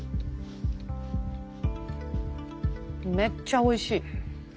めっちゃおいしい。